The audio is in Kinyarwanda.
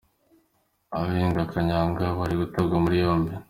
Abenga kanyanga bari gutabwa muri yombi